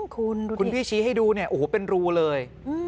คุณพี่ชี้ให้ดูเป็นรูเลย